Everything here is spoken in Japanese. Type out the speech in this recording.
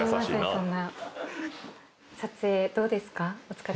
そんな」